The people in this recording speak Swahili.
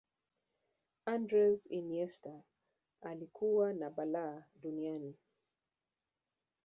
andres iniesta alikuwa na balaa duniani